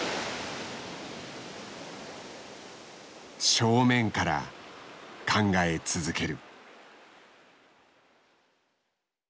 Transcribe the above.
正面から考え続ける。